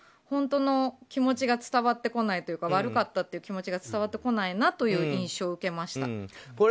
本当の気持ちが伝わってこないというか悪かったという気持ちが伝わってこないなという印象を受けました。